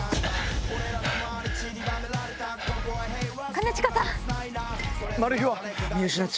兼近さん！